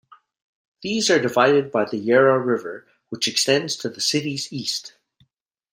These are divided by the Yarra River, which extends to the city's east.